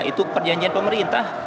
itu perjanjian pemerintah